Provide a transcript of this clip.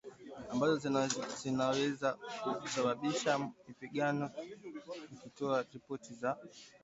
ambazo zinaweza kusababisha mapigano ikitoa ripoti za